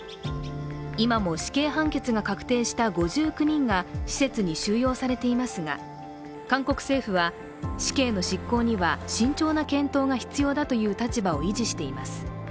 今も死刑判決が確定した５９人が施設に収容されていますが韓国政府は、死刑の執行には慎重な検討が必要だという立場を維持しています。